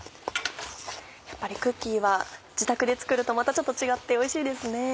やっぱりクッキーは自宅で作るとまたちょっと違っておいしいですね。